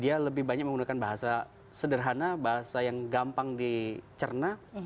dia lebih banyak menggunakan bahasa sederhana bahasa yang gampang dicerna